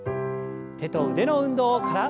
手と腕の運動から。